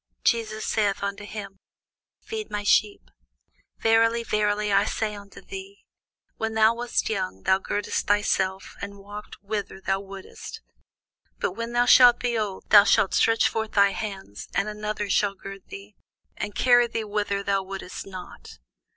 Jesus saith unto him, Feed my sheep. Verily, verily, I say unto thee, When thou wast young, thou girdedst thyself, and walkedst whither thou wouldest: but when thou shalt be old, thou shalt stretch forth thy hands, and another shall gird thee, and carry thee whither thou wouldest not.